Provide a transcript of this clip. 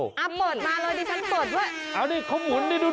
อ้าวเปิดมาเลยดิฉันเปิดด้วย